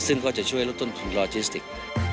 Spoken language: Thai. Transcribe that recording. ซึ่งก็จะช่วยลดต้นของลอจิสติก